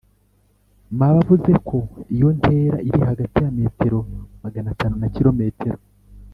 m Abavuze ko iyo ntera iri hagati ya metero magana atanu na kilometero